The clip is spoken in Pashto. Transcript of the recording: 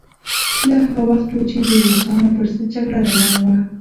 دا هغه وخت و چې د روسانو پر ضد جګړه روانه وه.